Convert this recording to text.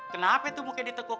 kenapa tuh muka ditekuk